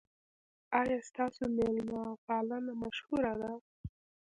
ایا ستاسو میلمه پالنه مشهوره ده؟